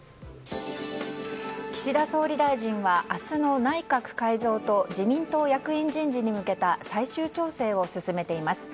岸田総理大臣は明日の内閣改造と自民党役員人事に向けた最終調整を進めています。